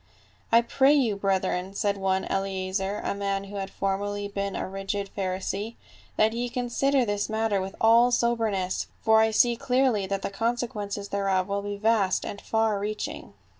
" I pray you, brethren," said one Eleazer, a man who had formerly been a rigid Pharisee, " that ye con sider this matter with all soberness ; for I see clearly that the consequences thereof will be vast and far reaching.